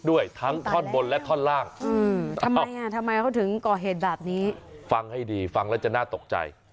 ด้วยทั้งท่อนบนและท่อนล่างทำไมอ่ะทำไมเขาถึงก่อเหตุแบบนี้ฟังให้ดีฟังแล้วจะน่าตกใจ